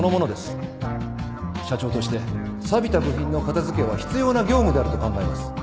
社長としてさびた部品の片付けは必要な業務であると考えます